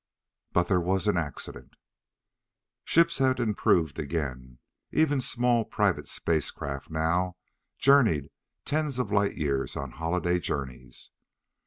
But there was an accident. Ships had improved again. Even small private space craft now journeyed tens of light years on holiday journeys.